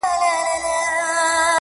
چي هغه تللې ده نو ته ولي خپه يې روحه.